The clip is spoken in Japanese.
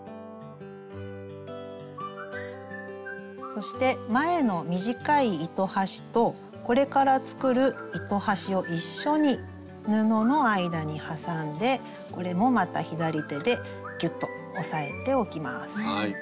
そして前の短い糸端とこれから作る糸端を一緒に布の間に挟んでこれもまた左手でギュッと押さえておきます。